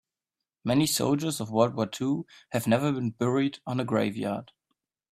Many soldiers of world war two have never been buried on a grave yard.